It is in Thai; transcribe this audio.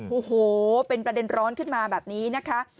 โอ้โหเป็นประเด็นร้อนขึ้นมาแบบนี้นะคะ